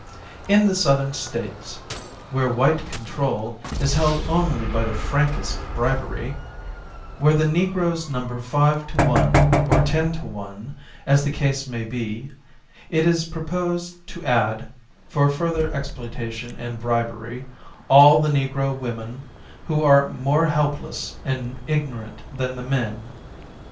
In the Southern states, where white control is held only by the frankest bribery, where the negroes number five to one or ten to one, as the case may be, it is proposed to add, for further exploitation and bribery, all the negro women, who are more help less and ignorant than the men.